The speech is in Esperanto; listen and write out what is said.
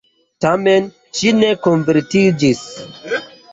Tamen ŝi ne konvertiĝis.